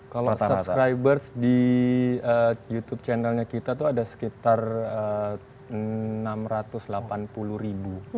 kalau subscribers di youtube channelnya kita tuh ada sekitar enam ratus delapan puluh ribu